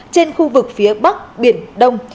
trên khu vực phía bắc biển đông